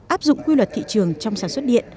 áp dụng quy luật thị trường trong sản xuất điện